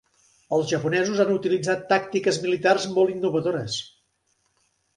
Els japonesos han utilitzat tàctiques militars molt innovadores.